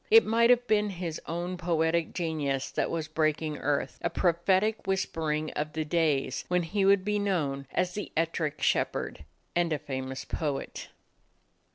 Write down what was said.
It might have been his own poetic ge nius that was breaking earth; a prophetic whispering of the days when he would be known as the "Ettrick Shepherd" and a fa mous poet.